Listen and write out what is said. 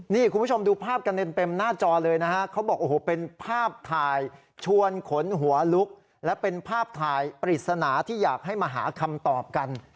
นี่คุณผู้ชมดูภาพกันเต็มหน้าจอเลยนะฮะเขาบอกโอ้โหเป็นภาพถ่ายชวนขนหัวลุกและเป็นภาพถ่ายปริศนาที่อยากให้มาหาคำตอบกัน